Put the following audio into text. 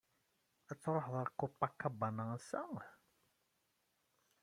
Ad truḥeḍ ar Copacabana assa?